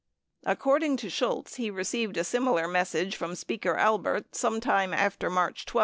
16 According to Shultz, he received a similar message from Speaker Albert sometime after March 12.